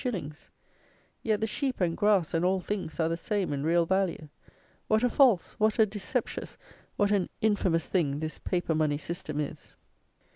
_ Yet the sheep and grass and all things are the same in real value. What a false, what a deceptious, what an infamous thing, this paper money system is!